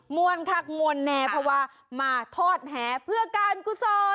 มวลคักมวลแน่เพราะว่ามาทอดแหเพื่อการกุศล